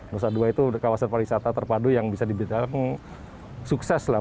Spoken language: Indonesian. nusa dua itu kawasan pariwisata terpadu yang bisa dibilang sukses lah